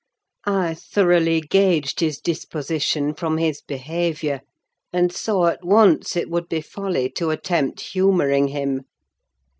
I thoroughly gauged his disposition from his behaviour, and saw at once it would be folly to attempt humouring him.